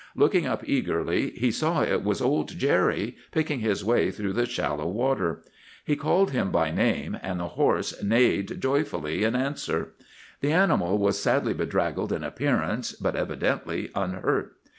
Looking up eagerly, he saw it was old Jerry, picking his way through the shallow water. He called him by name, and the horse neighed joyfully in answer. The animal was sadly bedraggled in appearance, but evidently unhurt.